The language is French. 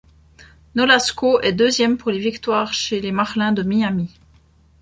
Nolasco est deuxième pour les victoires chez les Marlins de Miami.